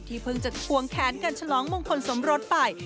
เพิ่งจะควงแขนกันฉลองมงคลสมรสไป